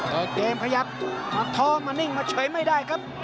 เอาเจมส์พยายามนับทอมมานิ่งมาเฉยไม่ได้ครับ